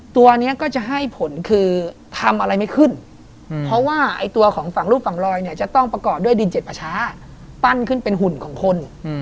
ตัวนี้ก็จะให้ผลคือทำอะไรไม่ขึ้นเพราะว่าไอ้ตัวของฝั่งรูปฝั่งลอยเนี่ยจะต้องประกอบด้วยดินเจ็ดประชาปั้นขึ้นเป็นหุ่นของคน